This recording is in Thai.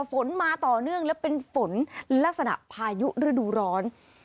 ฝนมาต่อเนื่องและเป็นฝนลักษณะพายุฤดูร้อน